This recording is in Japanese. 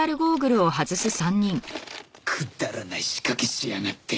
くだらない仕掛けしやがって。